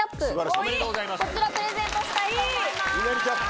こちらプレゼントしたいと思います。